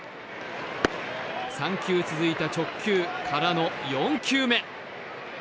３球続いた直球からの４球目。